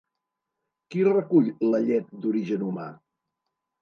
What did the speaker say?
Qui recull la llet d'origen humà?